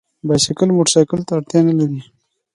بایسکل موټرسایکل ته اړتیا نه لري.